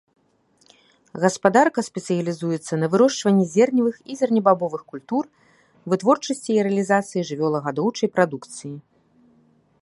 Гаспадарка спецыялізуецца на вырошчванні зерневых і зернебабовых культур, вытворчасці і рэалізацыі жывёлагадоўчай прадукцыі.